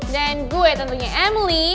dan gue tentunya emily